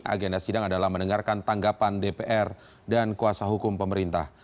agenda sidang adalah mendengarkan tanggapan dpr dan kuasa hukum pemerintah